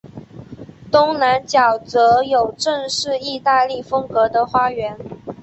东南角则有正式意大利风格的花园。